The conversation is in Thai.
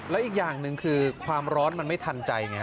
แล้วอีกอย่างหนึ่งคือความร้อนมันไม่ทันใจไง